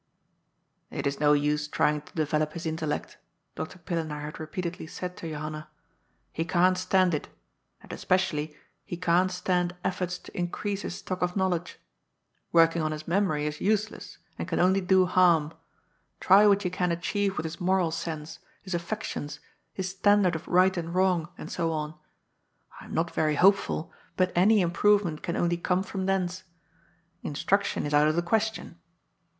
"It is no use trying to develop his intellect," Dr. Pillenaar had repeatedly said to Johanna. " He can't stand it. And, especially, he can't stand efforts to increase his 88 GOD'S FOOL. stock of knowledge. Working on his memory is useless, and can only do harm. Try what you can achieve with his moral sense, his affections, his standard of right and wrong, and so on. I am not very hopeful, but any improvement can only come from thence. Instruction is out of the ques tion.